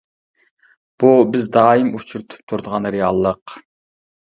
بۇ بىز دائىم ئۇچرىتىپ تۇرىدىغان رېئاللىق.